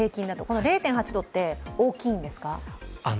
この０．８度って大きいんですか？